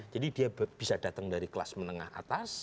jadi dia bisa datang dari kelas menengah atas